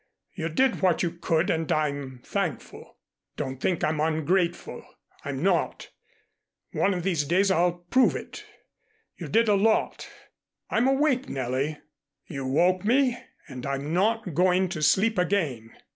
You did what you could and I'm thankful. Don't think I'm ungrateful. I'm not. One of these days I'll prove it. You did a lot. I'm awake, Nellie. You woke me and I'm not going to sleep again."